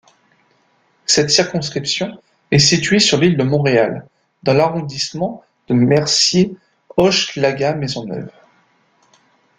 Cette circonscription est située sur l'île de Montréal dans l'arrondissement d'Mercier–Hochelaga-Maisonneuve.